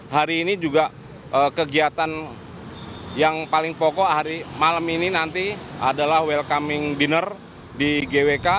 hari ini juga kegiatan yang paling pokok hari malam ini nanti adalah welcoming dinner di gwk